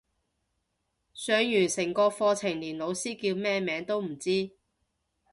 上完成個課程連老師叫咩名都唔知